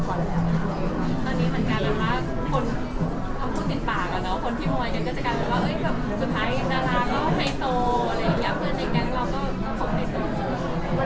ตอนนี้เหมือนกันนะคะคนพูดติดปากอะเนอะ